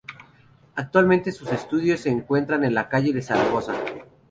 Actualmente sus estudios se encuentran en la Calle Zaragoza.